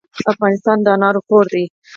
افغانستان د انارو کور دی.